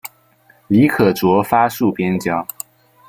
李可灼发戍边疆。